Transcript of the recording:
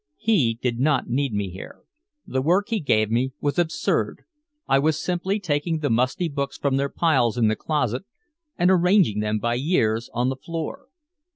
He did not need me here, the work he gave me was absurd, I was simply taking the musty books from their piles in the closet and arranging them by years on the floor.